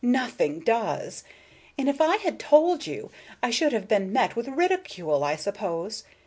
Nothing does. And if I had told you, I should have been met with ridicule, I suppose.